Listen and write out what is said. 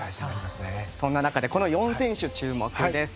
そんな中で、この４選手注目です。